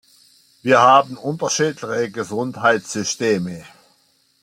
Wir haben unterschiedliche Gesundheitssysteme.